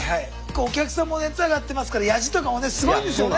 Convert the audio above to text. お客さんも熱上がってますからヤジとかもねすごいんですよね。